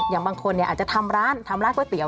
อย่างบางคนอาจจะทำร้านก๋วยเตี๋ยว